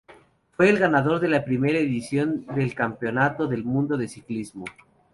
Fue el ganador de la primera edición del Campeonato del Mundo de ciclismo.